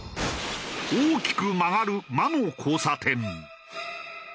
大きく曲がる魔の交差点。